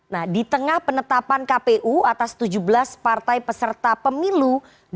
nah di tengah penetapan kpu atas tujuh belas partai peserta pemilu dua ribu dua puluh